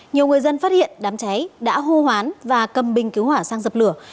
nhiều người dân phát hiện đám cháy đã hô hoán và cầm bình cứu hỏa sang dập lửa